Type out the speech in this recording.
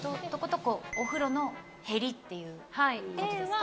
とお風呂のへりっていうことですか？